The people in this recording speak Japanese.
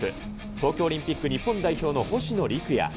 東京オリンピック日本代表の星野陸也。